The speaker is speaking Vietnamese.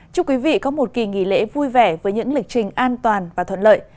chúc quý vị có một kỳ nghỉ lễ vui vẻ với những lịch trình an toàn và thuận lợi